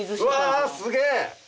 うわすげぇ！